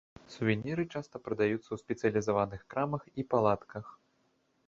Сувеніры часта прадаюцца ў спецыялізаваных крамах і палатках.